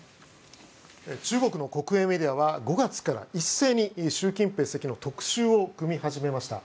中国の国営メディアは５月から一斉に特集を組み始めました。